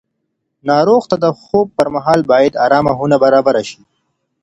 ناروغ ته د خوب پر مهال باید ارامه خونه برابره شي.